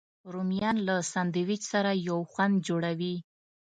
رومیان له سنډویچ سره یو خوند جوړوي